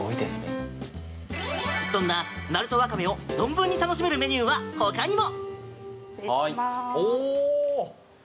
そんな鳴門わかめを存分に楽しめるメニューはほかにも！